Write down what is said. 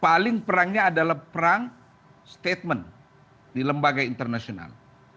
paling perangnya adalah perang statement di lembaga internasional